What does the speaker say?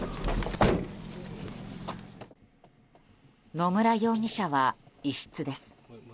野村容疑者は異質です。